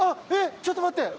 ちょっと待って！